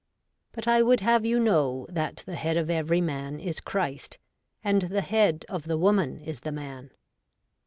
But I would have you know, that the head of every man is Christ ; and the head of the woman is the man.'